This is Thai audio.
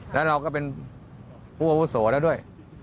แล้วเราก็เป็นผู้อาวุโสแล้วด้วย